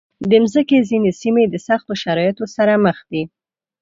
د مځکې ځینې سیمې د سختو شرایطو سره مخ دي.